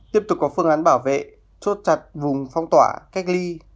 tiếp tục có phương án bảo vệ chốt chặt vùng phong tỏa cách ly